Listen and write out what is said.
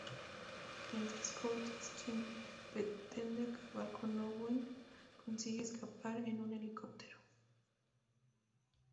Mientras, Curtis, quien pretende acabar con Owen, consigue escapar en un helicóptero.